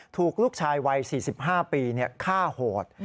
ถูกลูกชายวัย๔๕ปีฆ่าโหด